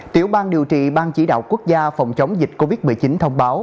tiểu bang điều trị bang chỉ đạo quốc gia phòng chống dịch covid một mươi chín thông báo